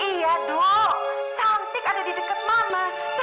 iya dok cantik ada di deket mama tadi ana yang nganter